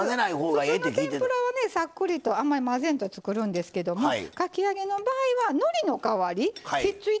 普通の天ぷらはねサックリとあんまり混ぜんと作るんですけどもかき揚げの場合はのりの代わりひっついてほしいのでね